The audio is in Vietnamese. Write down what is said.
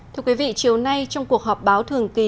thưa quý vị chiều nay trong cuộc họp báo thường kỳ